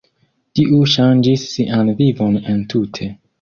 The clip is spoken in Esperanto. Tiu ŝanĝis sian vivon entute.